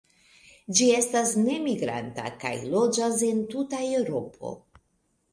Ĝi estas nemigranta, kaj loĝas en tuta Eŭropo.